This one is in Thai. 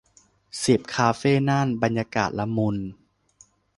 สิบ คาเฟ่น่าน บรรยากาศละมุน